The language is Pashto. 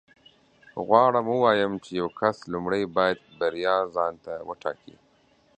غواړم ووایم چې یو کس لومړی باید بریا ځان ته وټاکي